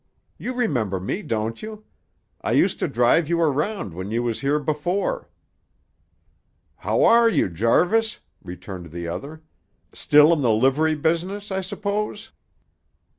You remember me, don't you? I used to drive you around when you was here before." "How are you, Jarvis?" returned the other. "Still in the livery business, I suppose?"